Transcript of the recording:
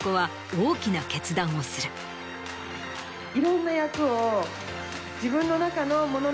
いろんな役を。